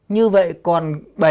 như vậy còn bảy mươi